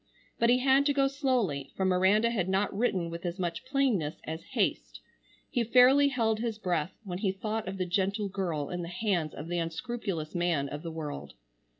But he had to go slowly, for Miranda had not written with as much plainness as haste. He fairly held his breath when he thought of the gentle girl in the hands of the unscrupulous man of the world.